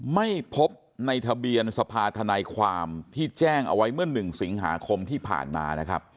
ไม่พบในทะเบียนสภาธนายความที่แจ้งเอาไว้เมื่อ๑สิงหาคมที่ผ่านมานะครับ